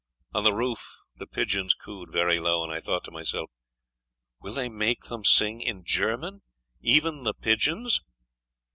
On the roof the pigeons cooed very low, and I thought to myself: "Will they make them sing in German, even the pigeons?"